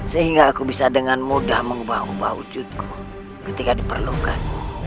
sehingga aku bisa dengan mudah mengubah ubah wujudku ketika diperlukan